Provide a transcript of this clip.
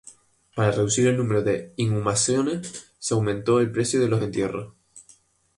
Para reducir el número de inhumaciones, se aumentó el precio de los entierros.